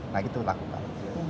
nah itu lakukan